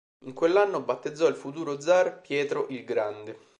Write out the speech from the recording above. In quell'anno battezzò il futuro zar Pietro il Grande.